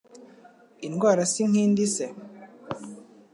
Indwara si nk'indi se